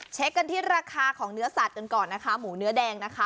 เช็คกันที่ราคาของเนื้อสัตว์กันก่อนนะคะหมูเนื้อแดงนะคะ